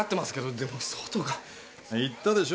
でも外が言ったでしょ